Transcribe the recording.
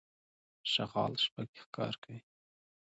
شغال شپه کې ښکار کوي.